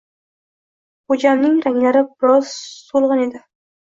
Xoʻjamning ranglari biroz soʻlgʻin edi.